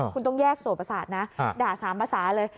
คุณต้องแยกส่วนภาษานะด่า๓ภาษาเลย